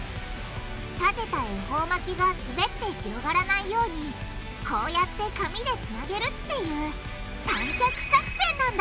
立てた恵方巻きがすべって広がらないようにこうやって紙でつなげるっていう「三脚作戦」なんだ！